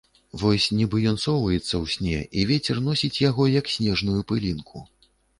Вось нібы ён соваецца ў сне і вецер носіць яго, як снежную пылінку.